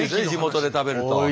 地元で食べると。